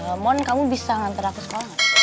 ngemon kamu bisa ngantar aku sekolah gak